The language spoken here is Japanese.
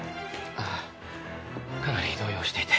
ああかなり動揺していて。